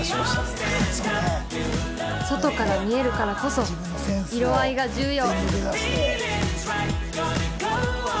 外から見えるからこそ色合いが重要